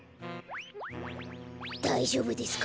だいじょうぶですか？